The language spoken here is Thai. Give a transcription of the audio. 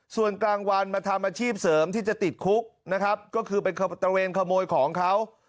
ส่วนกลางวันมาทำอาชีพเสริมที่จะติดคุกนะครับก็คือไปตระเวนขโมยของเขา